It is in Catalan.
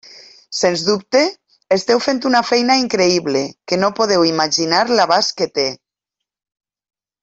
Sens dubte, esteu fent una feina increïble que no podeu imaginar l'abast que té.